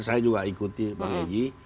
saya juga ikuti bang egy